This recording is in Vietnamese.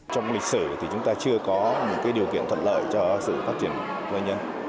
trong lịch sử thì chúng ta chưa có một điều kiện thuận lợi cho sự phát triển nguyên nhân